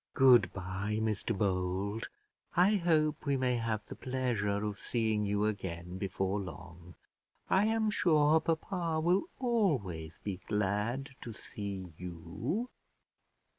"Good bye, Mr Bold; I hope we may have the pleasure of seeing you again before long; I am sure papa will always be glad to see you."